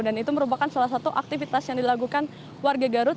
dan itu merupakan salah satu aktivitas yang dilakukan warga garut